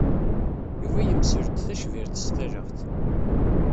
Yuba yemsel-d tacbirt s talaɣt.